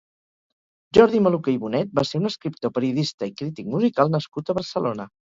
Jordi Maluquer i Bonet va ser un escriptor, periodista i crític musical nascut a Barcelona.